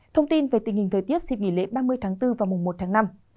thông tin về tình hình thời tiết xịp nghỉ lễ ba mươi tháng bốn vào mùng một tháng năm